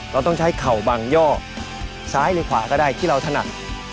เราต้องใช้เข่าบังย่อซ้ายหรือขวาก็ได้ที่เราถนัด